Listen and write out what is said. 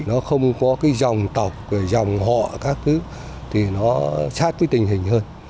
nó không có cái dòng tộc dòng họ các thứ thì nó sát với tình hình hơn